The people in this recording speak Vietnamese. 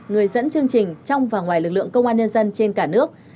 người dẫn chương trình trong và ngoài lực lượng công an nhân dân trên cả nước